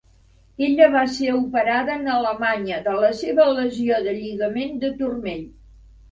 Ella va ser operada en Alemanya de la seva lesió de lligament de turmell.